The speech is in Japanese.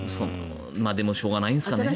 しょうがないんですかね。